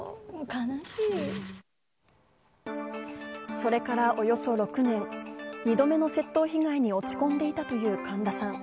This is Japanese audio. それからおよそ６年、２度目の窃盗被害に落ち込んでいたという神田さん。